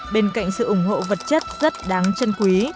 bên cạnh sự ủng hộ vật chất rất đáng chân quý